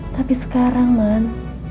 tapi sekarang man